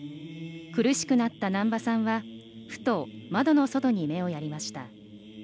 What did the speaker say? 苦しくなった難波さんはふと、窓の外に目をやりました。